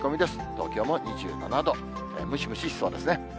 東京も２７度、ムシムシしそうですね。